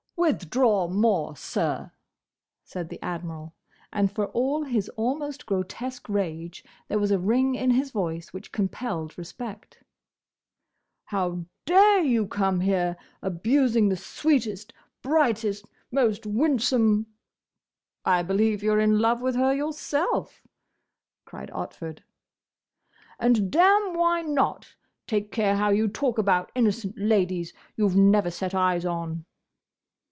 '" "Withdraw more, sir!" said the Admiral, and for all his almost grotesque rage, there was a ring in his voice which compelled respect. "How dare you come here, abusing the sweetest, brightest, most winsome—" "I believe you 're in love with her yourself!" cried Otford. "And, damme, why not?—Take care how you talk about innocent ladies you 've never set eyes on!"